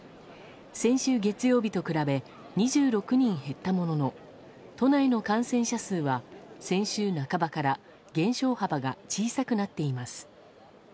先週月曜日と比べ２６人減ったものの都内の感染者数は先週半ばから減少幅が小さくなっています。